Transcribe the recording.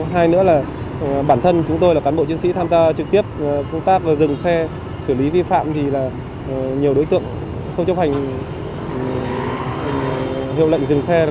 hai nữa là bản thân chúng tôi là cán bộ chiến sĩ tham gia trực tiếp công tác và dừng xe xử lý vi phạm thì là nhiều đối tượng không chấp hành hiệu lệnh dừng xe